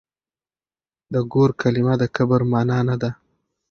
د ګور کلمه د کبر مانا نه ده.